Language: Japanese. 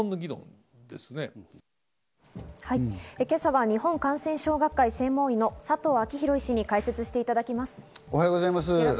今朝は日本感染症学会専門医の佐藤昭裕医師に解説していただきます。